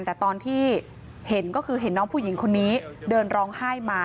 แต่ตอนที่เห็นก็คือเห็นน้องผู้หญิงคนนี้เดินร้องไห้มา